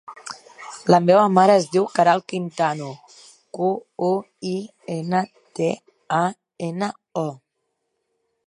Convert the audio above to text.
La meva mare es diu Queralt Quintano: cu, u, i, ena, te, a, ena, o.